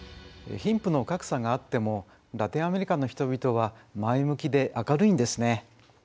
貧富の格差があってもラテンアメリカの人々は前向きで明るいんですね。